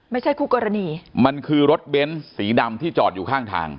ไม่ใช่คู่กรณีมันคือรถเบนส์สีดำที่จอดอยู่ข้างทาง